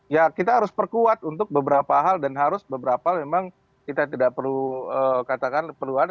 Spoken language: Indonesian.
ya kita harus perkuat untuk beberapa hal dan harus beberapa memang kita tidak perlu katakan perlu ada